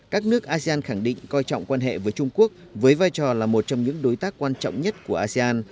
các nước asean khẳng định coi trọng quan hệ với trung quốc với vai trò là một trong những đối tác quan trọng nhất của asean